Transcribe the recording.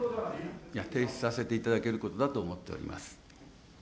提出させていただけることだと思っております。